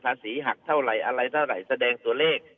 สีหักเท่าไหร่อะไรเท่าไหร่แสดงตัวเลข